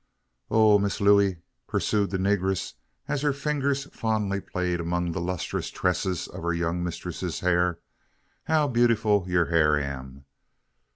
"Oh, Miss Looey!" pursued the negress, as her fingers fondly played among the lustrous tresses of her young mistress's hair, "how bewful you hair am!